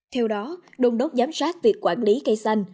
theo đó đông đốc giám sát việc quản lý cây xanh